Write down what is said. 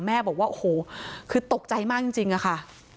แม่บอกว่าโอ้โหคือตกใจมากจริงอะค่ะ